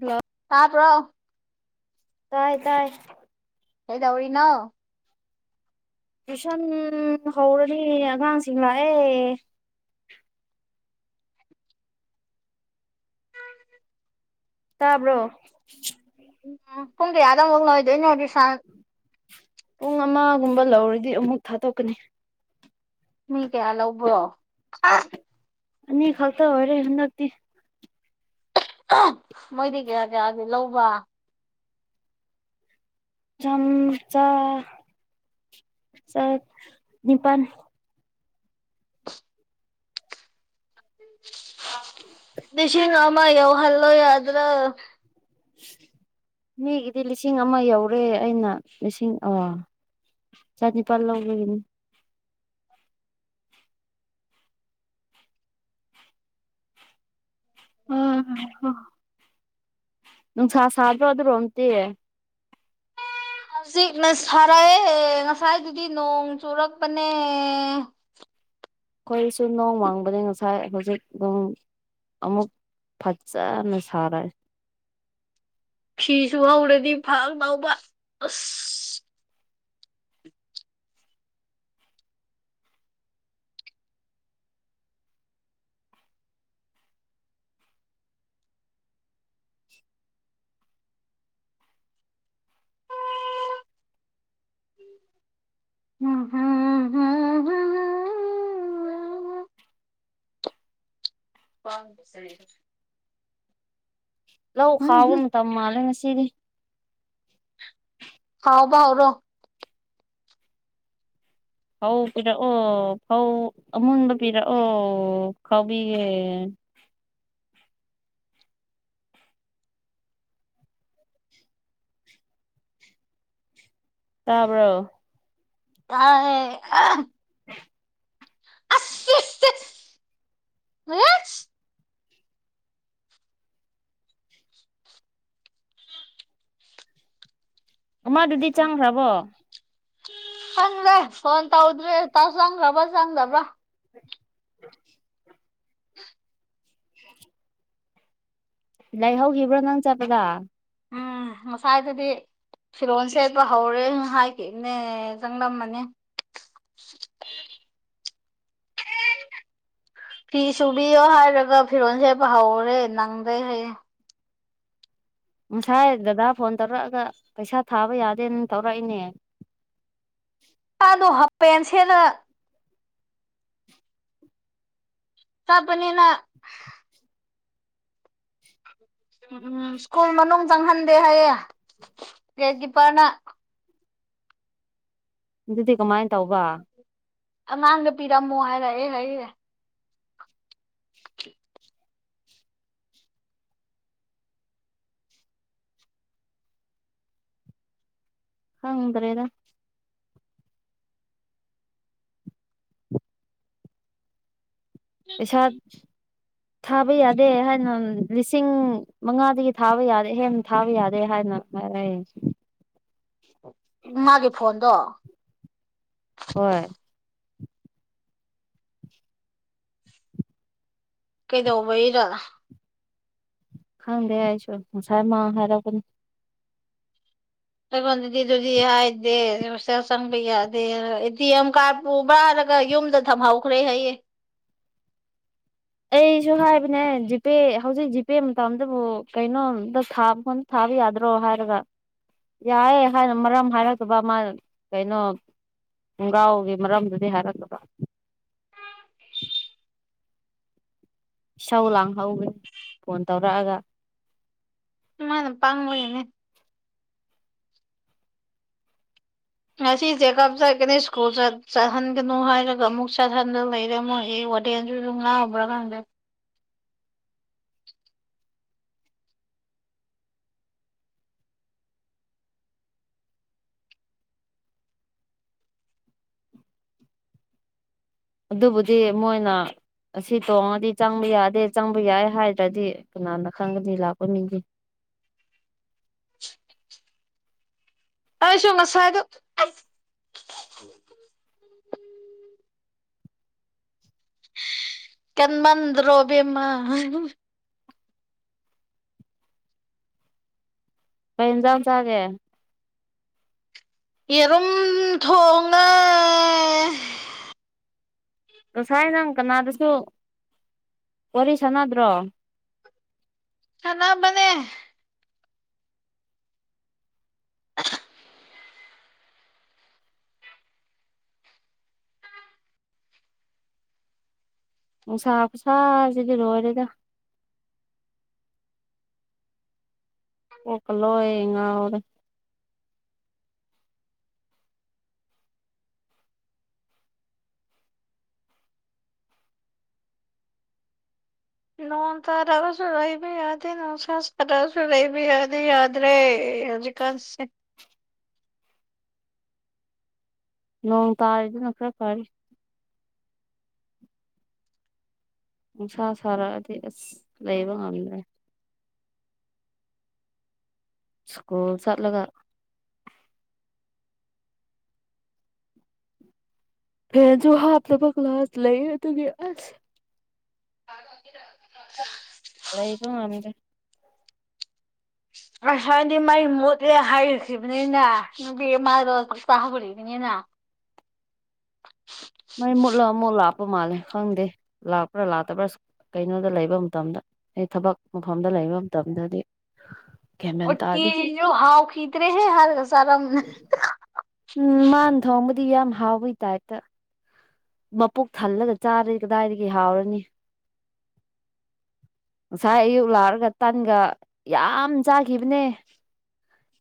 hello ꯇꯕ꯭ꯔꯣ ꯇꯥꯏ- ꯇꯥꯏ ꯀꯩꯗꯧꯔꯤꯅꯣ ꯇꯨꯏꯁꯟ ꯍꯧꯔꯅꯤ ꯑꯉꯥꯡꯁꯤꯡ ꯂꯥꯛꯑꯦ [unintelligible] ꯇꯥꯕ꯭ꯔꯣ ꯎꯝ ꯄꯨꯡ ꯀꯌꯥꯗ ꯑꯃꯨꯛ ꯂꯣꯏꯗꯣꯏꯅꯣ ꯔꯤꯁꯥꯁ ꯄꯨꯡ ꯑꯃꯒꯨꯝꯕ ꯂꯧꯔꯗꯤ ꯑꯃꯨꯛ ꯊꯥꯗꯣꯛꯀꯅꯤ ꯃꯤ ꯀꯌꯥ ꯂꯧꯕ꯭ꯔꯣ ꯑꯅꯤ ꯈꯛꯇ ꯑꯣꯏꯔꯦ ꯍꯟꯗꯛꯇꯤ ꯃꯣꯏꯗꯤ ꯀꯌꯥ-ꯀꯌꯥꯗꯤ ꯂꯧꯕ ꯆꯝꯆꯥ ꯆ ꯅꯤꯄꯥꯟ ꯂꯤꯁꯤꯡ ꯑꯃ ꯌꯧꯍꯜꯂꯣ ꯌꯥꯗ꯭ꯔꯣ ꯃꯤꯒꯤꯗꯤ ꯂꯤꯁꯤꯡ ꯑꯃ ꯌꯧꯔꯦ ꯑꯩꯅ ꯂꯤꯁꯤꯡ ꯑ ꯆꯥꯅꯤꯄꯥꯜ ꯂꯧꯕꯒꯤꯅꯤ ꯑ ꯍ ꯅꯨꯡꯁꯥ ꯁꯥꯗ꯭ꯔꯣ ꯑꯗꯨꯔꯣꯝꯇꯤ ꯍꯧꯖꯤꯛꯅ ꯁꯥꯔꯛꯑꯦ ꯉꯁꯥꯏꯗꯨꯗꯤ ꯅꯣꯡ ꯆꯨꯔꯛꯄꯅꯦ ꯑꯈꯣꯏꯁꯨ ꯅꯣꯡ ꯃꯪꯕꯅꯦ ꯉꯁꯥꯏ ꯍꯧꯖꯤꯛ ꯑꯗꯨꯝ ꯑꯃꯨꯛ ꯐꯖꯅ ꯁꯔꯛꯑ ꯐꯤ ꯁꯨꯍꯧꯔꯗꯤ ꯐꯒꯗꯧꯕ ꯑꯁ [inaudible] ꯍꯝ ꯍꯝ ꯍꯝ ꯋꯥ [inaudible] ꯂꯧ ꯈꯥꯎꯕ ꯃꯇꯝ ꯃꯥꯜꯂꯦ ꯉꯁꯤꯗꯤ ꯈꯥꯎꯕ ꯍꯧꯔꯣ ꯐꯧ ꯄꯤꯔꯛꯑꯣ ꯐꯧ ꯑꯃꯨꯟꯕ ꯄꯤꯔꯛꯑꯣ ꯈꯥꯎꯕꯤꯒꯦ ꯇꯥꯕ꯭ꯔꯣ ꯇꯥꯏꯌꯦ ꯑꯁ ꯋꯦ ꯌꯦꯛꯁ ꯑꯃꯗꯨꯗꯤ ꯆꯪꯈ꯭ꯔꯕꯣ ꯈꯪꯗꯦ ꯐꯣꯟ ꯇꯧꯗ꯭ꯔꯦ ꯇ ꯆꯪꯈ꯭ꯔꯕ꯭ꯔꯥ ꯆꯪꯗꯕ꯭ꯔꯥ [unintelligible] [unintelligible] ꯂꯩꯍꯧꯈꯤꯕ꯭ꯔꯣ ꯅꯪ ꯆꯠꯄꯗ ꯎꯝ ꯉꯁꯥꯥꯏ ꯗꯨꯗꯤ ꯐꯤꯔꯣꯜ ꯁꯦꯠꯄ ꯍꯧꯔꯦ ꯍꯥꯏꯈꯤꯃꯦ ꯆꯪꯂꯝꯃꯅꯤ [inaudible] ꯐꯤ ꯁꯨꯕꯤꯌꯣ ꯍꯥꯏꯔꯒ ꯐꯤꯔꯣꯜ ꯁꯦꯠꯄ ꯍꯧꯔꯦ ꯅꯪꯗ꯭ꯔꯦ ꯍꯥꯏꯌꯦ ꯉꯁꯥꯏ ꯗꯗꯥ ꯐꯣꯟ ꯇꯧꯔꯛꯑꯒ ꯄꯩꯁꯥ ꯊꯥꯕ ꯌꯥꯗꯦꯅ ꯇꯧꯔꯛꯏꯅꯦ ꯃꯗꯣ ꯍꯥꯞꯄꯦꯟ ꯁꯦꯠꯂ ꯇꯕꯅꯤꯅ ꯎꯝ ꯁ꯭ꯀꯨꯜ ꯃꯅꯨꯡ ꯆꯪꯍꯟꯗꯦ ꯍꯥꯏꯌꯦ ꯒꯦꯠ ꯀꯤꯞꯄꯔꯅ ꯑꯗꯨꯗꯤ ꯀꯃꯥꯏ ꯇꯧꯕ ꯑꯉꯥꯡꯗ ꯄꯤꯔꯝꯃꯣ ꯍꯥꯏꯔꯛꯑꯦ ꯍꯥꯏꯌꯦ ꯍꯪꯗ꯭ꯔꯦꯗ ꯄꯩꯁꯥꯠ [unintelligible] ꯊꯥꯕ ꯌꯥꯗꯦ ꯍꯥꯏꯅ ꯂꯤꯁꯤꯡ ꯃꯉꯥꯗꯒꯤ ꯊꯥꯕ ꯌꯥꯔꯦ ꯑꯍꯦꯟꯕ ꯊꯥꯕ ꯌꯥꯗꯦ ꯍꯥꯏꯅ [unintelligible] ꯃꯥꯒꯤ ꯐꯣꯟꯗꯣ ꯍꯣꯏ ꯀꯩꯗꯧꯕꯩꯔ ꯍꯪꯗꯦ ꯍꯥꯏꯥꯏꯁꯨꯁꯥꯏ ꯃꯥ ꯍꯥꯏꯔ ꯇꯣꯟꯗꯗꯤꯗꯨꯗꯤ ꯍꯥꯏꯗꯦ ꯁꯁꯪꯕꯤꯗꯦꯗꯤꯦꯝ ꯀꯥ ꯎꯕꯥꯔꯒ ꯌꯨꯝꯗ ꯊꯝꯍꯧꯈ꯭ꯔꯦ ꯍꯌꯦꯦ ꯑꯩꯁꯨ ꯍꯥꯏꯕꯅꯦ ꯖꯤꯄꯦ ꯍꯧꯖꯤꯛ ꯖꯤꯄꯦ ꯃꯇꯝꯗꯕꯨ ꯀꯩꯅꯣꯝꯇ ꯊꯥꯕ ꯈꯣ ꯊꯥꯕ ꯌꯥꯗ꯭ꯔꯣ ꯍꯥꯏꯔꯒ ꯌꯥꯏꯦ ꯍꯥꯏꯅ ꯃꯔꯝ ꯍꯥꯏꯔꯛꯇꯕ ꯃꯥ ꯀꯩꯅꯣ ꯈꯣꯡꯒꯥꯎꯒꯤ ꯃꯔꯝꯗꯨꯗꯤ ꯍꯥꯏꯔꯛꯇꯕ ꯏꯁꯥꯎ ꯂꯥꯡꯍꯧꯒꯦ ꯐꯣꯟ ꯇꯧꯔꯛꯑꯒ ꯃꯥꯅꯦ ꯄꯥꯡꯝꯃꯅꯦ ꯉꯁꯤ ꯆꯦꯀꯞ ꯆꯠꯀꯅꯤ ꯁ꯭ꯀꯨꯜ ꯆꯠꯍꯟꯒꯅꯨ ꯍꯥꯏꯔꯒ ꯑꯃꯨꯛ ꯆꯠꯍꯟꯗ ꯂꯩꯔꯝꯃꯣꯏ ꯅꯤꯡꯣꯑ꯭ꯂ ꯀꯪꯦ ꯑꯗꯨꯕꯨꯗꯤ ꯃꯣꯏꯅ ꯑꯁꯤ ꯇꯣꯡꯉꯗꯤ ꯆꯪꯕ ꯌꯥꯗꯦ ꯆꯪꯕ ꯌꯥꯏ ꯍꯥꯏꯗ꯭ꯔꯗꯤ ꯀꯅꯥꯅ ꯈꯪꯒꯅꯤ ꯂꯥꯛꯄꯣꯏꯅꯤꯒꯤ ꯇꯁꯨ ꯃꯁꯥꯏꯗ ꯀ ꯃꯟ ꯔꯣꯕꯦꯝꯃ ꯀ ꯏꯟꯖꯥ ꯆꯥꯒꯦ ꯌꯦꯔꯨꯝ ꯊꯣꯡꯉꯦ ꯉꯁꯥꯏ ꯅꯪ ꯀꯅꯥꯗꯁꯨ ꯋꯥꯔꯤ ꯁꯥꯟꯅꯗ꯭ꯔꯣ ꯆꯅꯥꯕꯅꯦ ꯅꯨꯡꯁꯥ ꯐꯁꯥꯁꯤꯗꯤ ꯂꯣꯏꯔꯦꯗ ꯄꯀꯂꯣ ꯌꯦꯉꯔ ꯅꯣꯏꯣꯟ ꯇꯔꯁꯨ ꯔꯩꯕꯤ ꯍꯥꯏꯗꯤ ꯅꯣꯟ ꯁꯁ ꯇꯔꯁꯨ ꯔꯩꯕꯤ ꯍꯥꯏꯗꯤ ꯌꯥ꯭ꯔꯦꯖꯤꯛ ꯀꯁꯦ ꯅꯣꯡ ꯇꯥꯔꯤꯗꯨꯅ ꯈꯔ ꯐꯔ ꯅꯨꯡꯁꯥ ꯁꯥꯔꯛꯑꯗꯤ ꯑꯁ ꯂꯩꯕ ꯉꯝꯗ꯭ꯔꯦ ꯁ꯭ꯀꯨꯜ ꯆꯠ ꯂꯒ ꯐꯦꯁꯨ ꯍꯥꯂꯣ ꯄꯒ ꯂ ꯍꯥ ꯂ ꯇ ꯑꯁ ꯑ ꯍꯂ ꯏ ꯋꯥꯗꯦ ꯑꯁꯋꯥꯗꯤ ꯃꯥꯏ ꯃꯣꯠꯂꯦ ꯍꯥꯏꯔꯈꯤꯕꯅꯤꯅ ꯃꯥ ꯁꯥꯍꯕꯅ ꯃꯥꯏ ꯃꯨꯠꯂꯒ ꯑꯃꯨꯛ ꯂꯥꯥꯛꯄ ꯃꯥꯜꯂꯦ ꯈꯪꯗꯦ ꯂꯥꯛꯄ꯭ꯔꯥ ꯂꯥꯛꯇꯕ꯭ꯔꯥ ꯀꯩꯅꯣꯗ ꯂꯩꯕ ꯃꯇꯝꯗ ꯑꯩ ꯊꯕꯛ ꯃꯐꯝꯗ ꯂꯩꯕ ꯃꯇꯝꯗꯗꯤ ꯒ꯭ꯌꯥꯟ ꯑꯣ ꯃꯦꯟ ꯇꯤ ꯇꯥꯗꯦ ꯍꯥꯎ ꯈꯤꯗꯔꯦ ꯍꯦ ꯍꯔ ꯁꯔꯝ ꯎꯝ ꯃꯥꯥꯟ ꯊꯝꯕꯗꯤ ꯌꯥꯝ ꯍꯥꯥꯎꯕꯣꯏꯇꯥꯏꯠ ꯃꯄꯣꯛ ꯊꯜꯂꯒ ꯆꯥꯔ ꯀꯗꯥꯏꯗꯒꯤ ꯍꯥꯎꯔꯅꯤ ꯉꯁꯥꯏ ꯑꯌꯨꯛ ꯂꯥꯛꯔꯒ ꯇꯥꯟꯒ ꯌꯥꯝ ꯆꯥꯈꯤꯕꯅꯦ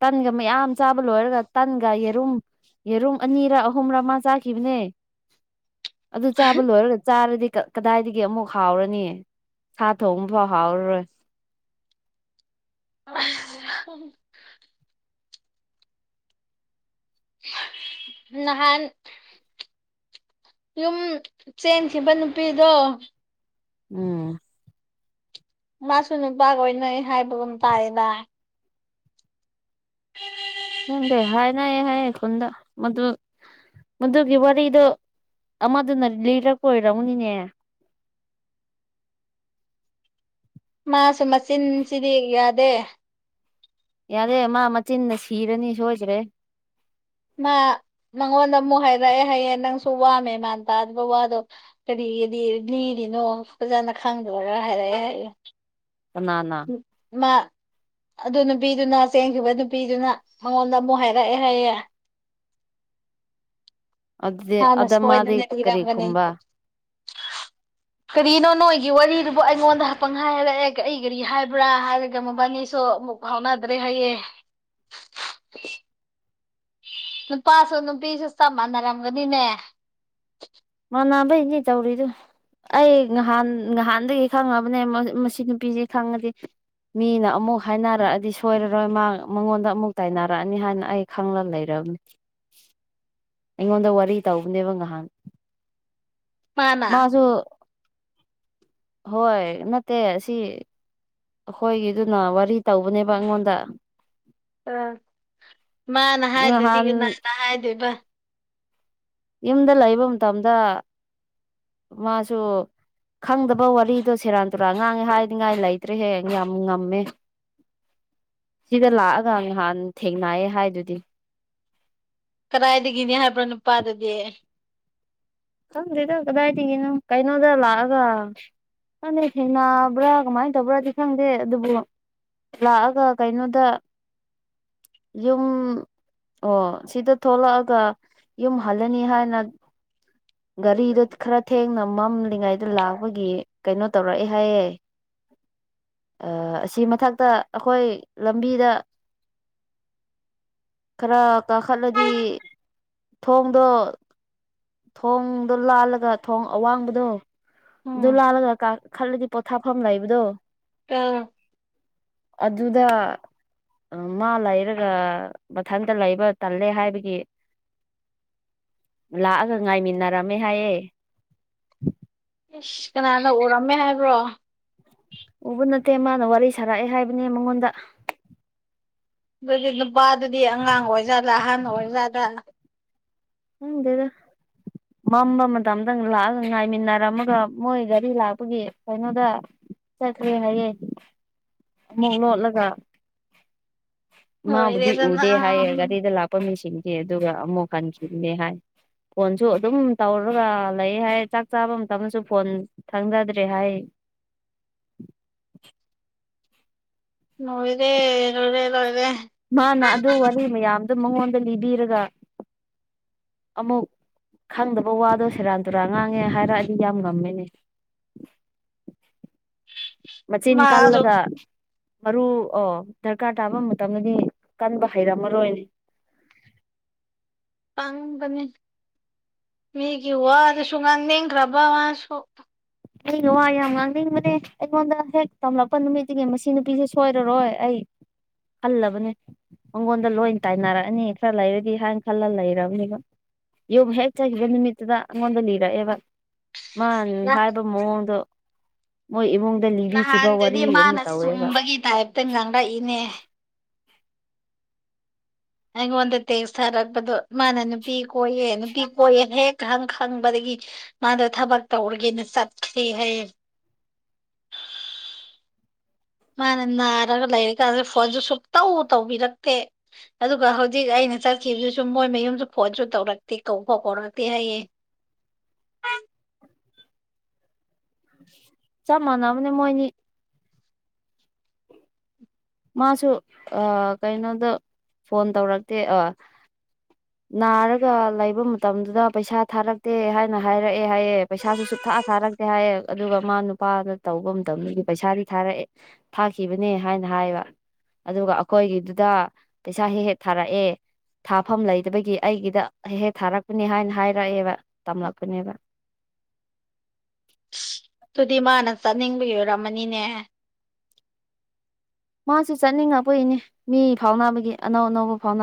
ꯇꯟꯒ ꯃꯌꯥꯝ ꯆꯥꯕ ꯂꯣꯏꯔꯒ ꯇꯟꯒ ꯌꯦꯔꯨꯝ ꯌꯦꯔꯨꯝ ꯑꯅꯤꯔ ꯑꯍꯨꯝꯔ ꯃꯥ ꯆꯥꯈꯤꯕꯅꯦ ꯑꯗꯨ ꯆꯥꯕ ꯂꯣꯏꯔꯒ ꯆꯥꯔꯗꯤ ꯀꯗꯥꯏꯗꯒꯤ ꯑꯃꯨꯛ ꯍꯥꯎꯔꯅꯤ ꯁꯥ ꯊꯣꯡꯕꯐꯥꯎ ꯍꯥꯎꯔꯔꯣꯏ ꯑ ꯅꯍꯥꯟ ꯌꯨꯝ ꯆꯦꯟꯈꯤꯕ ꯅꯨꯄꯤꯗꯣ ꯎꯝ ꯃꯥꯁꯨ ꯅꯨꯄꯥꯒ ꯑꯣꯏꯅ ꯍꯥꯏꯕꯒꯨꯝ ꯇꯥꯏꯌꯦꯗ ꯅꯪꯗꯦ ꯍꯥꯏꯅ ꯍꯥꯏꯦ ꯈꯨꯟꯗ ꯃꯗꯨ ꯃꯗꯨꯒꯤ ꯋꯥꯔꯤꯗꯣ ꯑꯃꯗꯨꯅ ꯂꯤꯔ ꯀꯣꯏꯔꯝꯃꯅꯤꯅꯦ ꯃꯥꯁꯨ ꯃꯆꯤꯟꯁꯤꯗꯤ ꯌꯥꯗꯦ ꯌꯥꯔꯦ ꯃꯥ ꯃꯆꯤꯟꯅ ꯁꯤꯔꯅꯤ ꯁꯣꯏꯈ꯭ꯔꯦ ꯃꯥ ꯃꯉꯣꯟꯗ ꯑꯃꯨꯛ ꯍꯥꯏꯔꯛꯑꯦ ꯍꯥꯏꯌꯦꯡ ꯅꯪꯁꯨ ꯋꯥꯃꯦ ꯃꯥꯥꯟ ꯇꯥꯗꯕ ꯋꯥꯗꯣ ꯀꯔꯤꯒꯤꯗꯤ ꯂꯤꯔꯤꯅꯣ ꯐꯖꯅ ꯈꯪꯗ꯭ꯔꯒ ꯍꯥꯏꯔꯛꯑꯦ ꯍꯥꯏꯨ ꯅꯥꯅꯥ ꯃꯥ ꯑꯗꯨ ꯅꯨꯄꯤꯗꯨꯅ ꯆꯦꯟꯈꯤꯕ ꯅꯨꯄꯤꯗꯨꯅ ꯃꯉꯣꯟꯗ ꯑꯃꯨꯛ ꯍꯥꯏꯔꯛꯑꯦ ꯍꯥꯏꯌꯦꯦ ꯑꯗꯨꯗꯤ ꯑ ꯑꯗ ꯅꯁꯨ ꯍꯣꯏꯗꯦ ꯃꯥꯗꯤ ꯀꯔꯤ ꯇꯤꯔꯒꯅꯤ ꯈꯨꯝꯕ ꯀꯔꯤꯅꯣ ꯅꯣꯏꯒꯤ ꯋꯥꯔꯤꯗꯨꯕꯨ ꯑꯩꯉꯣꯟꯗ ꯍꯥꯄꯪ ꯍꯥꯏꯔꯛꯑꯦ ꯑꯩ ꯀꯔꯤ ꯍꯥꯏꯕ꯭ꯔꯥ ꯍꯥꯏꯔꯒ ꯃꯕꯥꯅꯤꯁꯨ ꯐꯥꯎꯅꯥꯗ꯭ꯔꯦ ꯍꯥꯏꯌꯦꯦ ꯅꯨꯄꯥꯁꯨ ꯅꯨꯄꯤꯁꯨ ꯇꯝꯃꯅꯔꯝꯒꯅꯤꯅꯦ ꯃꯥꯅꯥꯕꯩ ꯅ ꯇꯧꯔꯤꯗꯨ ꯑꯩ ꯅꯍꯥꯟ ꯅꯍꯥꯟꯗꯒꯤ ꯈꯪꯉꯕꯅꯦ ꯃꯁꯤ ꯅꯨꯄꯤꯁꯤ ꯈꯪꯉꯗꯤ ꯃꯤꯅ ꯑꯃꯨꯛ ꯍꯥꯏꯅꯔꯛꯑꯗꯤ ꯁꯣꯏꯔꯔꯣꯏ ꯃꯥ ꯃꯉꯣꯟꯗ ꯑꯃꯨꯛ ꯇꯥꯏꯅꯔꯛꯑꯅꯤ ꯍꯥꯏꯅ ꯑꯩ ꯈꯪꯂꯒ ꯂꯩꯔꯕꯅꯤ ꯑꯩꯉꯣꯟꯗ ꯋꯥꯔꯤ ꯇꯧꯕꯅꯦꯕ ꯉꯥꯏꯍꯥꯟ ꯃꯥꯅ ꯃꯥꯁꯨ ꯍꯣꯏ ꯅꯠꯇꯦ ꯑꯁꯤ ꯑꯩꯈꯣꯏꯒꯤꯗꯨꯅ ꯋꯥꯔꯤ ꯇꯧꯕꯅꯦꯕ ꯑꯩꯉꯣꯟꯗ ꯑꯥ ꯃꯥꯅ ꯅꯍꯥꯟ ꯍꯥꯏꯗꯗꯤꯅꯥꯅ ꯍꯥꯏꯗꯣꯏꯕ ꯌꯨꯝꯗ ꯂꯩꯕ ꯃꯇꯝꯗ ꯃꯥꯁꯨ ꯈꯪꯗꯕ ꯋꯥꯔꯤꯗꯣ ꯁꯦꯔꯥꯟ ꯇꯨꯔꯥꯟ ꯑꯉꯥꯡꯉꯦ ꯍꯥꯏꯅꯤꯡꯉꯥꯏ ꯂꯩꯇ꯭ꯔꯦ ꯍꯌꯦꯡ ꯌꯥꯝ ꯉꯝꯃꯦ ꯁꯤꯗ ꯂꯥꯛꯑꯒ ꯅꯍꯥꯟ ꯊꯦꯡꯅꯌꯦꯦ ꯍꯥꯏꯗꯨꯗꯤ ꯀꯗꯥꯏꯗꯒꯤꯅꯤ ꯍꯥꯏꯕ꯭ꯔꯣ ꯅꯨꯄꯥꯗꯗꯤ ꯀꯔꯤꯗ ꯀꯗꯥꯏꯇꯤꯒꯦꯅ ꯀꯩ ꯅꯣꯗꯂ ꯑꯒ ꯈꯪꯅ ꯊꯦꯡꯅꯕ꯭ꯔꯥ ꯀꯃꯥꯏꯅ ꯇꯧꯕ꯭ꯔꯥꯗꯤ ꯈꯪꯗꯦ ꯑꯗꯨꯕꯨ ꯂꯥꯛꯑꯒ ꯀꯩꯅꯣꯗ ꯌꯨꯝ ꯑꯣ ꯁꯤꯗ ꯊꯣꯛꯂꯛꯑꯒ ꯌꯨꯝ ꯍꯜꯂꯅꯤ ꯍꯥꯏꯅ ꯒꯥꯔꯤꯗꯣ ꯈꯔ ꯊꯦꯡꯅ ꯃꯝꯂꯤꯉꯥꯏꯗ ꯂꯥꯛꯄꯒꯤ ꯀꯩꯅꯣ ꯇꯧꯔꯛꯑꯦ ꯍꯥꯏꯌꯦꯦ ꯑꯁꯤ ꯃꯊꯛꯇ ꯑꯩꯈꯣꯏ ꯂꯝꯕꯤꯗ ꯈꯔ ꯀꯥꯈꯠꯂꯗꯤ ꯊꯣꯡꯗꯣ ꯊꯣꯡꯗꯣ ꯂꯥꯜꯂꯒ ꯊꯣꯡ ꯑꯋꯥꯡꯕꯗꯣ ꯑꯗꯨ ꯎꯝ ꯂꯥꯜꯂꯒ ꯈꯜꯂꯗꯤ ꯄꯣꯊꯥꯐꯝ ꯂꯩꯏꯕꯗꯣ ꯑ ꯑꯗꯨꯗ ꯃꯥ ꯂꯩꯔꯒ ꯃꯊꯟꯇ ꯂꯩꯕ ꯇꯜꯂꯦ ꯍꯥꯏꯕꯒꯤ ꯂꯥꯛꯑꯒ ꯉꯥꯏꯃꯤꯟꯅꯔꯝꯃꯦ ꯍꯥꯏꯌꯦꯦ ꯏꯁꯁ ꯀꯅꯥꯅ ꯎꯔꯝꯃꯦ ꯍꯥꯏꯕ꯭ꯔꯣ ꯎꯕ ꯅꯠꯇꯦ ꯃꯥꯅ ꯋꯥꯔꯤ ꯁꯥꯔꯛꯑꯦ ꯍꯥꯏꯕꯅꯦ ꯃꯉꯣꯟꯗ ꯑꯗꯨꯗꯤ ꯅꯨꯄꯥꯗꯨꯗꯤ ꯑꯉꯥꯡ ꯑꯣꯏꯔꯖꯥꯗ ꯑꯍꯟ ꯑꯣꯏꯔꯖꯥꯠꯗ ꯎꯗꯦꯗ ꯃꯝꯕ ꯃꯇꯝꯗꯪ ꯂꯥꯛꯑꯒ ꯉꯥꯏꯃꯤꯟꯅꯔꯝꯃꯒ ꯃꯣꯏ ꯒꯥꯔꯤ ꯂꯥꯛꯄꯒꯤ ꯀꯩꯅꯣꯗ ꯆꯠꯈ꯭ꯔꯦ ꯍꯥꯏꯌꯦꯦ ꯑꯃꯨꯛ ꯂꯣꯠꯂꯒ ꯃꯥꯕꯨꯗꯤ ꯂꯣꯏꯔꯦꯗꯅ ꯎꯗꯦ ꯍꯥꯏꯌꯦ ꯒꯥꯔꯤꯗ ꯂꯥꯛꯄ ꯃꯤꯁꯤꯡꯗꯤ ꯑꯗꯨꯒ ꯑꯃꯨꯛ ꯍꯟꯈꯤꯗꯦ ꯍꯥꯏ ꯐꯣꯟꯁꯨ ꯑꯗꯨꯝ ꯇꯧꯔꯒ ꯂꯩ ꯍꯥꯏ ꯆꯥꯛ ꯆꯥꯕ ꯃꯇꯝꯗꯁꯨ ꯐꯣꯟ ꯊꯪꯖꯗ꯭ꯔꯦ ꯍꯥꯏ ꯅꯣꯏꯗꯦꯣꯏꯦ ꯂꯣꯏꯗꯦ ꯃꯥꯅ ꯑꯗꯨ ꯋꯥꯔꯤ ꯃꯌꯥꯝꯗꯨ ꯃꯉꯣꯟꯗ ꯂꯤꯕꯤꯔꯒ ꯑꯃꯨꯛ ꯈꯪꯗꯕ ꯋꯥꯗꯣ ꯁꯦꯔꯥꯟ ꯇꯨꯔꯥꯟ ꯉꯥꯡꯉꯦ ꯍꯥꯏꯔ ꯑꯩꯗꯤ ꯌꯥꯝ ꯉꯝꯃꯤꯅꯦ ꯃꯆꯤꯟ ꯃꯥꯁꯨ ꯀꯜꯂꯒ ꯃꯔꯨ ꯑꯣ ꯗꯔꯀꯥꯔ ꯇꯥꯕ ꯃꯇꯝꯗꯗꯤ ꯀꯟꯕ ꯍꯩꯔꯝꯃꯔꯣꯏꯅꯦ ꯄꯥꯡꯕꯅꯤ ꯃꯤꯒꯤ ꯋꯥꯗꯨꯁꯨ ꯉꯥꯡꯅꯤꯡꯈ꯭ꯔꯕ ꯃꯥꯁꯨ ꯑꯩꯩꯅ ꯋꯥ ꯌꯥꯝ ꯉꯥꯡꯅꯤꯡꯕꯅꯦ ꯑꯩꯉꯣꯟꯗ ꯍꯦꯛ ꯇꯝꯂꯛꯄ ꯅꯨꯃꯤꯠꯇꯨꯒꯤ ꯃꯁꯤ ꯅꯨꯄꯤꯁꯦꯁꯨ ꯁꯣꯏꯔꯔꯣꯏ ꯑꯩ ꯍꯜꯂꯕꯅꯦ ꯑꯩꯪꯒꯣꯟꯗ ꯂꯣꯏ ꯇꯥꯏꯅꯔꯛꯑꯅꯤ ꯈꯔ ꯂꯩꯔꯗꯤ ꯍꯥꯏꯅ ꯈꯜꯂ ꯂꯩꯔꯕꯅꯤꯕ ꯌꯣꯕ ꯍꯆꯈꯤꯕ ꯅꯨꯃꯤꯠꯇꯗ ꯑꯩꯉꯣꯟꯗ ꯂꯩ ꯏꯔꯛꯑꯦꯕ ꯃꯥ ꯅ ꯃꯨꯡꯗ ꯃꯣꯏ ꯏꯃꯨꯡ ꯅꯍꯥꯟꯗꯨꯗꯤ ꯃꯥꯅ ꯁꯨꯝꯕꯒꯤ ꯇꯥꯏꯞꯇ ꯉꯥꯡꯂꯛꯏꯅꯦ ꯑꯩꯉꯣꯟꯗ ꯇꯦꯡ ꯁꯥꯔꯛꯄꯗꯣ ꯃꯥꯅ ꯅꯨꯄꯤ ꯀꯣꯏꯌꯦ ꯅꯨꯄꯤ ꯀꯣꯏꯌꯦ ꯍꯦꯛꯪ ꯈꯪꯕꯗꯒꯤ ꯃꯥꯗꯣ ꯊꯕꯛ ꯇꯧꯔꯒꯦꯅ ꯆꯠꯈꯦ ꯍꯥꯏ ꯃꯥꯅ ꯅꯥꯔꯒ ꯂꯩꯔꯤꯀꯥꯟꯗ ꯐꯣꯟꯁꯨ ꯁꯨꯛꯇꯧ ꯇꯧꯕꯤꯔꯛꯇꯦ ꯑꯗꯨꯒ ꯍꯧꯖꯤꯛ ꯑꯩꯅ ꯆꯠꯈꯤꯕꯗꯨꯁꯨ ꯃꯣꯏ ꯃꯌꯨꯝꯗ ꯐꯣꯟꯁꯨ ꯇꯧꯔꯛꯇꯦ ꯀꯧꯐꯥꯎ ꯀꯧꯔꯛꯇꯦ ꯍꯥꯏꯌꯦꯦ ꯆꯃꯅ ꯃ ꯃꯣꯏꯅꯤ ꯃꯥꯁꯨ ꯀꯩꯅꯣꯗ ꯐꯣꯟ ꯇꯧꯔꯛꯇꯦ ꯑ [inaudible] ꯅꯥꯔꯒ ꯂꯩꯕ ꯃꯇꯝꯗꯨꯗ ꯄꯩꯁꯥ ꯊꯥꯔꯛꯇꯦ ꯍꯥꯏꯅ ꯍꯥꯏꯔꯛꯑꯦ ꯍꯥꯏꯌꯦꯦ ꯄꯩꯁꯥꯁꯨ ꯁꯨꯞꯊꯥ ꯊꯥꯔꯛꯇꯦ ꯍꯥꯏꯌꯦ ꯑꯗꯨꯒ ꯃꯥ ꯅꯨꯄꯥꯅ ꯇꯧꯕ ꯃꯇꯝꯗꯨꯗꯤ ꯄꯩꯁꯥꯗꯤ ꯊꯥꯔꯛꯑꯦ ꯊꯥꯈꯤꯕꯅꯦ ꯍꯥꯏꯅ ꯍꯥꯏꯌꯦꯕ ꯑꯗꯨꯒ ꯑꯩꯈꯣꯏꯒꯤꯗꯨꯗ ꯄꯩꯁꯥ ꯍꯦꯛ ꯍꯦꯛ ꯊꯥꯔꯛꯑꯦ ꯊꯥꯐꯝ ꯂꯩꯗꯕꯒꯤ ꯑꯩꯒꯤꯗ ꯍꯦꯛ ꯊꯥꯔꯛꯄꯅꯤ ꯍꯥꯏꯅ ꯍꯥꯏꯔꯛꯑꯦꯕ ꯇꯝꯂꯛꯄꯅꯦꯕ ꯑꯗꯨꯗꯤ ꯃꯥꯅ ꯆꯥꯅꯤꯡꯕꯒꯤ ꯑꯣꯏꯔꯝꯃꯅꯤꯅꯦ ꯃꯥꯁꯨ ꯆꯠꯅꯤꯡꯉꯛꯄ ꯏꯅꯤ ꯃꯤ ꯐꯥꯎꯅꯕꯒꯤ ꯑꯅꯧ ꯑꯅꯧꯕ ꯐꯥꯎꯅꯕ